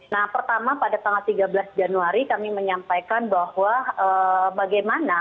nah pertama pada tanggal tiga belas januari kami menyampaikan bahwa bagaimana